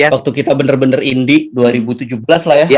waktu kita bener bener indie dua ribu tujuh belas lah ya